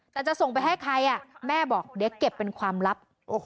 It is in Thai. แต่จะส่งไปให้ใครแม่บอกเดี๋ยวเก็บเป็นความลับ